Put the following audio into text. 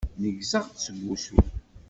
Neggzeɣ-d seg usu.